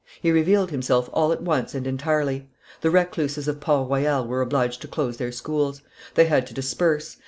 He revealed himself all at once and entirely. The recluses of Port Royal were obliged to close their schools; they had to disperse.